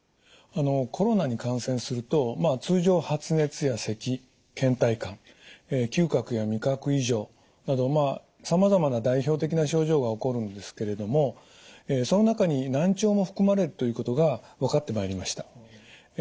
コロナに感染すると通常発熱やせきけん怠感嗅覚や味覚異常などさまざまな代表的な症状が起こるんですけれどもその中に難聴も含まれるということが分かってまいりました。